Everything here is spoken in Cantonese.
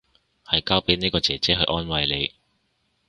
係交俾呢個姐姐去安慰你